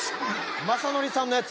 雅紀さんのやつやから。